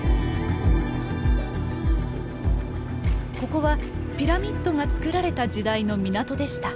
ここはピラミッドが造られた時代の港でした。